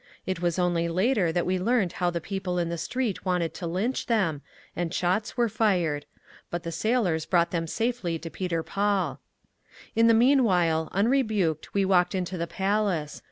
It was only later that we learned how the people in the street wanted to lynch them, and shots were fired—but the sailors brought them safely to Peter Paul…. In the meanwhile unrebuked we walked into the Palace.